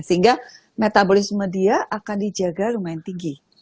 sehingga metabolisme dia akan dijaga lumayan tinggi